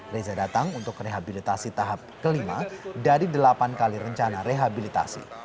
reza datang untuk rehabilitasi tahap kelima dari delapan kali rencana rehabilitasi